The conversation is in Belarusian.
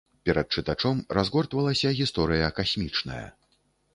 Перад чытачом разгортвалася гісторыя касмічная.